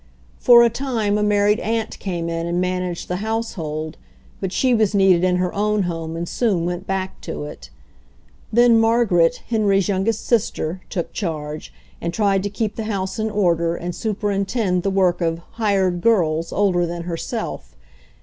For a time a married aunt came in and man aged the household, but die was needed in her own home and soon went back to it. Then Mar garet, Henry's youngest sister, took charge, and tried to keep the house in order and superintend the work of "hired girls" older than herself.